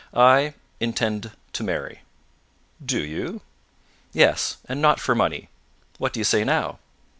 I intend to marry." "Do you?" "Yes. And not for money. What do you say now?"